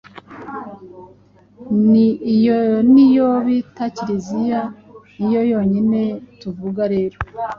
Iyo ni yo bita Kiliziya ni yo yonyine tuvuga rero.